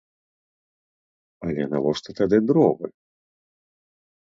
Але навошта тады дровы?